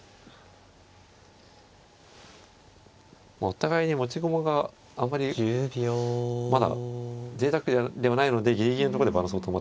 お互いに持ち駒があまりまだぜいたくではないのでギリギリのところでバランスを保ってますね。